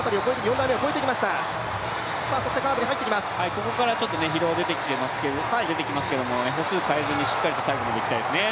ここから疲労が出てきますけど、歩数変えずにしっかりと最後までいきたいですよね。